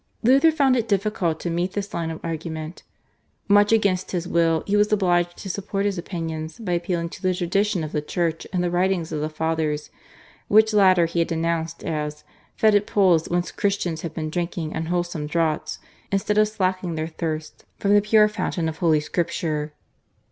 Luther found it difficult to meet this line of argument. Much against his will he was obliged to support his opinions by appealing to the tradition of the Church and the writings of the Fathers, which latter he had denounced as "fetid pools whence Christians have been drinking unwholesome draughts instead of slaking their thirst from the pure fountain of Holy Scripture."